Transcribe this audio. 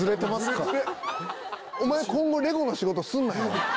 お前今後レゴの仕事すんなよ。